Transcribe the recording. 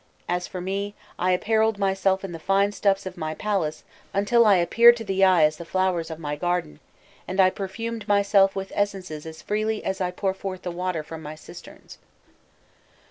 As for me, I apparelled myself in the fine stuffs of my palace until I appeared to the eye as the flowers of my garden, and I perfumed myself with essences as freely as I pour forth the water from my cisterns."